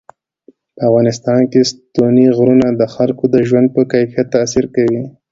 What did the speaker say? په افغانستان کې ستوني غرونه د خلکو د ژوند په کیفیت تاثیر کوي.